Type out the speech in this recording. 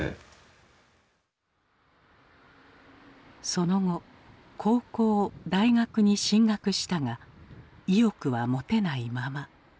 その後高校・大学に進学したが意欲は持てないまま。